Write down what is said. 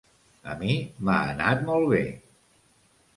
A mi m’ha anat molt be.